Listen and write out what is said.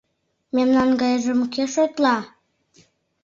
Мемнан гайжым кӧ шотла?